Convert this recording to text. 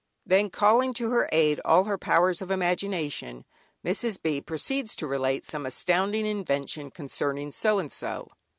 Then calling to her aid all her powers of imagination, Mrs. B. proceeds to relate some astounding invention concerning so and so.